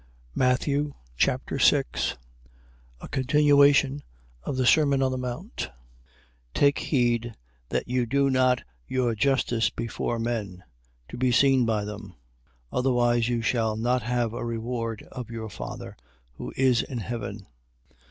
Matthew Chapter 6 A continuation of the sermon on the mount. 6:1. Take heed that you do not your justice before men, to be seen by them: otherwise you shall not have a reward of your Father who is in heaven.